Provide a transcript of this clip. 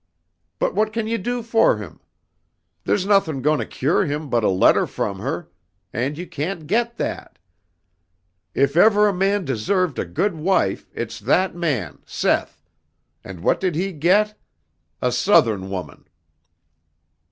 But what can you do for him? There's nothing goin' to cure him but a letter from her, and you can't get that. If ever a man deserved a good wife it's that man, Seth, and what did he get? A Southern woman!"